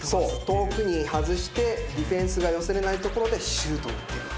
遠くに外してディフェンスが寄せられないところでシュートを打ってく。